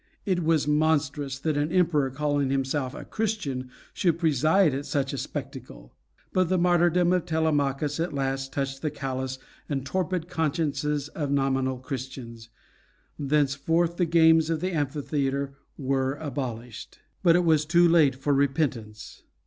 It was monstrous that an emperor calling himself a Christian should preside at such a spectacle. But the martyrdom of Telemachus at last touched the callous and torpid consciences of nominal Christians. Thenceforth the games of the amphitheatre were abolished. But it was too late for repentance.